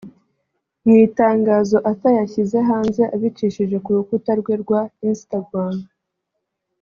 Mu itangazo Arthur yashyize hanze abicishije ku rukuta rwe rwa Instagram